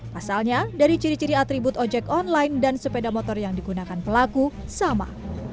pasalnya dari ciri ciri atribut ojek online dan sepeda motor yang digunakan pelaku sama